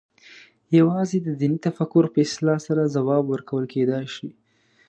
یوازې د دیني تفکر په اصلاح سره ځواب ورکول کېدای شي.